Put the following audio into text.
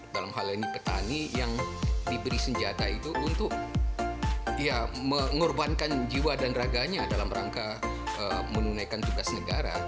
dalam hal ini petani yang diberi senjata itu untuk mengorbankan jiwa dan raganya dalam rangka menunaikan tugas negara